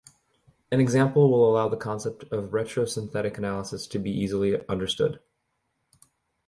An example will allow the concept of retrosynthetic analysis to be easily understood.